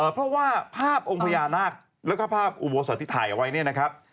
เพราะว่าภาพองค์พญานาคแล้วก็ภาพอุโบสถที่ถ่ายเอาไว้เนี่ยนะครับ